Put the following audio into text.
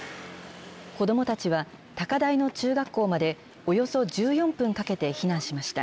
子どもたちは高台の中学校まで、およそ１４分かけて避難しました。